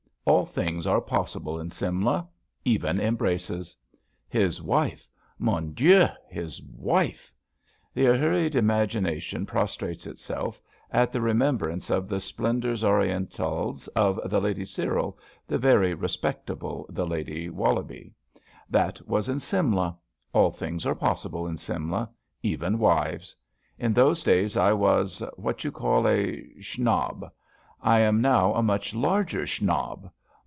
All things are possible in Simla. Even embraces. His wife! Mon Dien, his wife! The aheuried imagination prostrates itself at the remembrance of the splendours Orientals of the Lady Cyril — ^the very respectable the Lady Wollobie. That was in Simla. All things are possible in Simla. Even wives. Li those days I was — ^what you call — a Schnobb. I am now a much larger Schnobb.